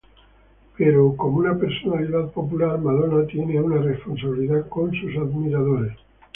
Pero, como una personalidad popular, Madonna tiene una responsabilidad con sus admiradores.